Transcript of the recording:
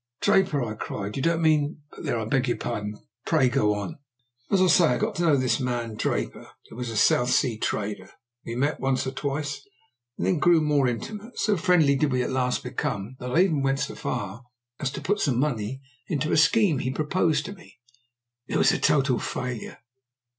"Draper!" I cried. "You don't mean but there, I beg your pardon. Pray go on." "As I say, I got to know this man Draper, who was a South Sea trader. We met once or twice, and then grew more intimate. So friendly did we at last become, that I even went so far as to put some money into a scheme he proposed to me. It was a total failure.